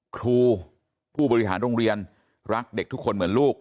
ครูผู้บริหารโรงเรียนรักเด็กทุกคนเหมือนลูก